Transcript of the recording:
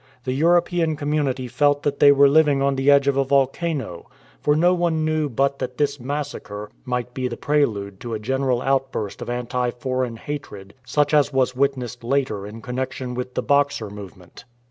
The European community felt that they were living on the edge of a volcano, for no one knew B 17 MONGOLIA but that this massacre might be the prelude to a general outburst of anti foreign hatred such as was witnessed later in connexion with the Boxer movement.